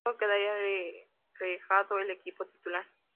Luego quedaría relegado del equipo titular.